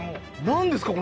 何ですか？